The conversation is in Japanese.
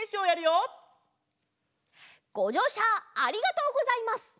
ごじょうしゃありがとうございます。